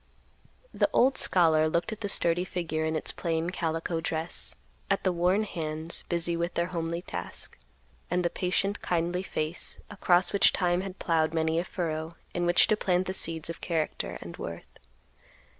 The old scholar looked at the sturdy figure in its plain calico dress; at the worn hands, busy with their homely task; and the patient, kindly face, across which time had ploughed many a furrow, in which to plant the seeds of character and worth.